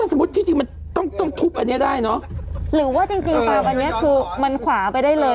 สมมุติที่จริงมันต้องต้องทุบอันเนี้ยได้เนอะหรือว่าจริงจริงตามอันเนี้ยคือมันขวาไปได้เลย